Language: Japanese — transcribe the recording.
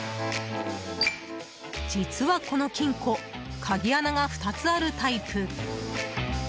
実はこの金庫鍵穴が２つあるタイプ。